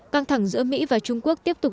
căng thẳng giữa mỹ và trung quốc tiếp tục